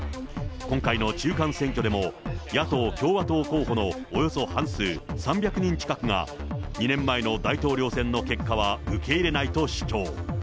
今回の中間選挙でも、野党・共和党候補のおよそ半数、３００人近くが２年前の大統領選の結果は受け入れないと主張。